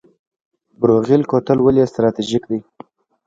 بروغیل کوتل ولې استراتیژیک دی؟